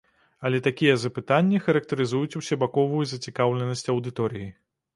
Але такія запытанні характарызуюць усебаковую зацікаўленасць аўдыторыі.